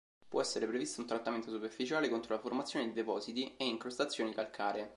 Può essere previsto un trattamento superficiale contro la formazione di depositi e incrostazioni calcaree.